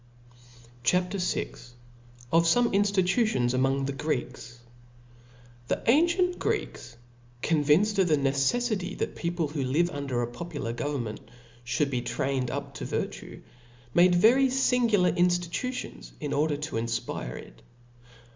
CHAP. VI. Of/om^ InftituttGns among the Greeks. TpHE ancient Greeks, convinced of the ne^ '*' ceffity that people whOf live under a popuhr government fhould be. trained up to virtue, madci very fingular irtftitutions in order to infpire it.